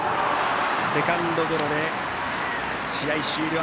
セカンドゴロで試合終了。